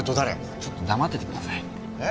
ちょっと黙っててくださいえっ？